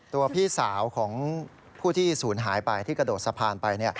พี่สาวของผู้ที่ศูนย์หายไปที่กระโดดสะพานไป